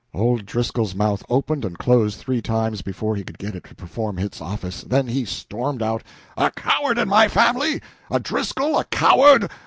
Old Driscoll's mouth opened and closed three times before he could get it to perform its office; then he stormed out "A coward in my family! A Driscoll a coward!